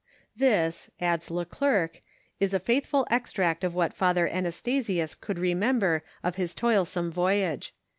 This, adds le Glercq, is a faithful extract of what Father Anastasius could remember of his toilsome voyage.